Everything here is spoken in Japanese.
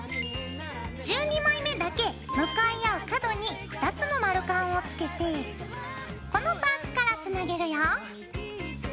１２枚目だけ向かい合う角に２つの丸カンをつけてこのパーツからつなげるよ。